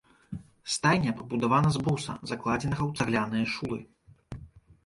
Стайня пабудавана з бруса, закладзенага ў цагляныя шулы.